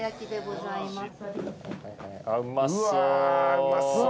うまそう。